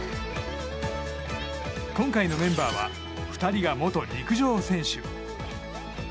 今回のメンバーは２人が元陸上選手。